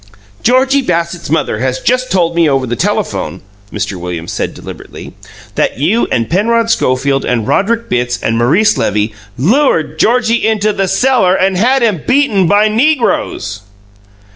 "Georgie Bassett's mother has just told me over the telephone," Mr. Williams said, deliberately, "that you and Penrod Schofield and Roderick Bitts and Maurice Levy LURED GEORGIE INTO THE CELLAR AND HAD HIM BEATEN BY NEGROES!"